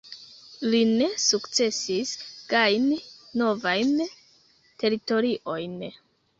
Li ne sukcesis gajni novajn teritoriojn.